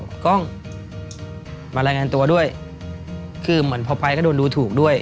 กล้องมารายงานตัวด้วยคือเหมือนพอไปก็โดนดูถูกด้วย